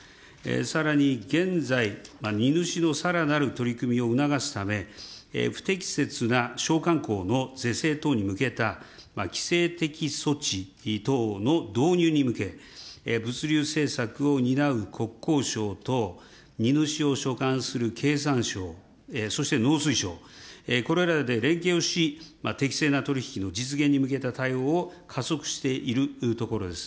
さらに現在、荷主のさらなる取り組みを促すため、不適切なしょうかんこうの是正等に向けた規制的措置等の導入に向け、物流政策を担う国交省と、荷主を所管する経産省、そして農水省、これらで連携をし、適性な取り引きの実現に向けた対応を加速しているところです。